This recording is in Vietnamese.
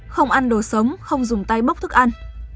không ăn đồ sống không dùng tay bốc thức ăn